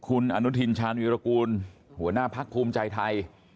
คุณอนุทินชาญวีรกูลหัวหน้าพักภูมิใจไทย